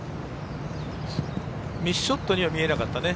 ミスショットには見えなかったね